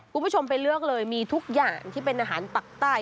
คุณผู้ชมไปเลือกเลยมีทุกอย่างที่เป็นอาหารปักใต้